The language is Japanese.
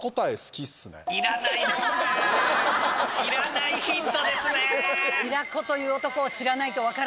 要らないヒントですね。